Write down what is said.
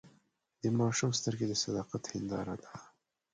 د ماشوم سترګې د صداقت هنداره ده.